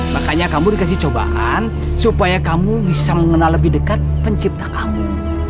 makanya kamu dikasih cobaan supaya kamu bisa mengenal lebih dekat pencipta kamu